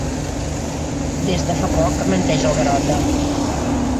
Des de fa poc —menteix el Garota—.